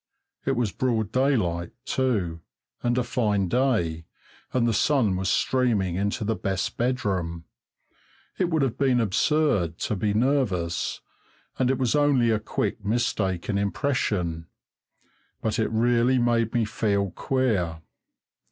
It was broad daylight, too, and a fine day, and the sun was streaming into the best bedroom. It would have been absurd to be nervous, and it was only a quick mistaken impression, but it really made me feel queer.